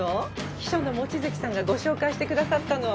秘書の望月さんがご紹介してくださったの。